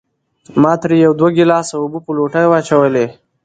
ما ترې يو دوه ګلاسه اوبۀ پۀ لوټه واچولې